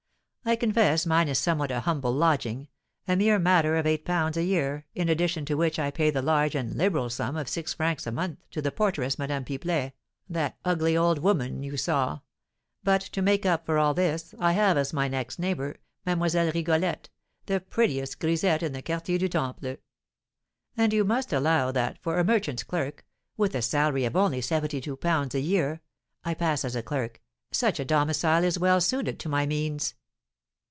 I confess mine is somewhat a humble lodging, a mere matter of eight pounds a year, in addition to which I pay the large and liberal sum of six francs a month to the porteress, Madame Pipelet, that ugly old woman you saw; but, to make up for all this, I have as my next neighbour, Mlle. Rigolette, the prettiest grisette in the Quartier du Temple. And you must allow that, for a merchant's clerk, with a salary of only seventy two pounds a year (I pass as a clerk), such a domicile is well suited to my means."